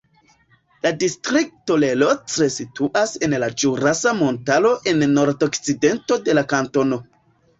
La distrikto Le Locle situas en la Ĵurasa Montaro en nordokcidento de la kantono.